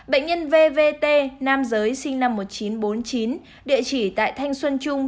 bệnh nhân vvt nam giới sinh năm một nghìn chín trăm bốn mươi chín địa chỉ tại thanh xuân trung